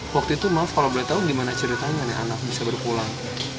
waktu itu maaf kalau boleh tahu gimana ceritanya nih anak bisa berpulang